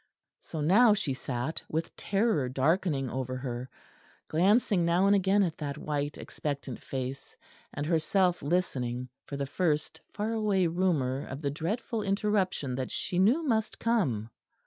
So now she sat with terror darkening over her, glancing now and again at that white expectant face, and herself listening for the first far away rumour of the dreadful interruption that she now knew must come.